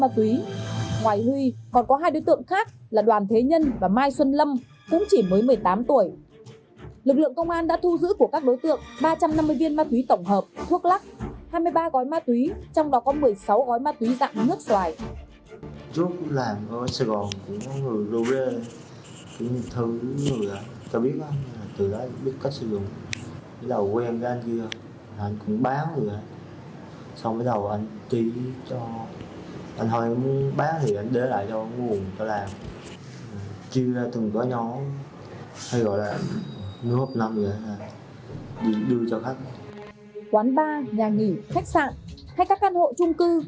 quán bar nhà nghỉ khách sạn hay các căn hộ trung cư